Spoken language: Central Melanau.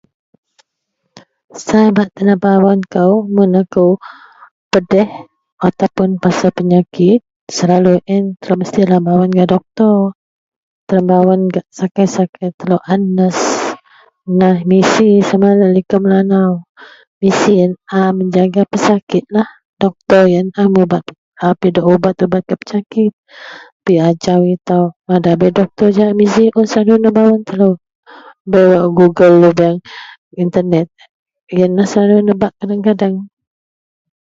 Sai bak tenebawan kou mun aku pedih ataupun pasal penyakit mestilah bak mebawan gak doktor tebawan gak sakai-sakai telo nurse misi sama laei likou melanau a menjaga pesakit atau a piduk ubat mada bei doktor atau misi a tenebawan telo bak goole jegam internet yianlah wak selalu nenak telo.